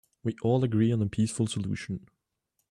We all agree on a peaceful solution.